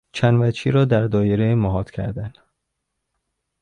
چند وجهی را در دایره محاط کردن